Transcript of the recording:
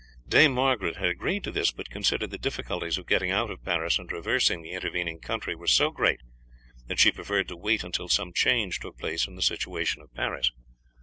Dame Margaret had agreed to this, but considered the difficulties of getting out of Paris and traversing the intervening country were so great that she preferred to wait until some change took place in the situation of Paris.